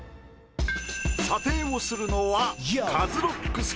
査定をするのは。